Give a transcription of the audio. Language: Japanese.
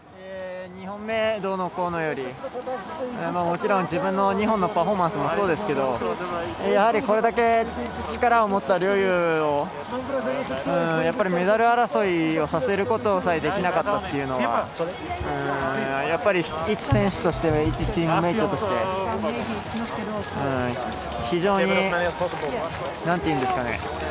２本目どうのこうのよりもちろん自分の２本のパフォーマンスもそうですけどやはり、これだけ力を持った陵侑をやっぱりメダル争いをさせることさえできなかったというのはやっぱり、いち選手いちチームメートとして非常になんていうんですかね